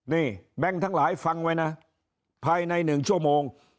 นี่แบงค์ทั้งหลายฟังไว้นะภายใน๑ชั่วโมง